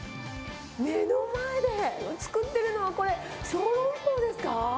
目の前で作ってるのはこれ、小籠包ですか？